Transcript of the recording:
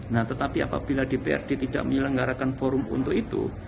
nah tetapi apabila dprd tidak menyelenggarakan forum untuk itu